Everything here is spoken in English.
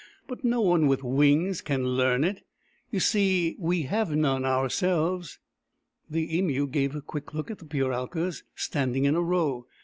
But no one with wings can learn it. You see, we have none ourselves." The Emu gave a quick look at the Puralkas, standing in a row.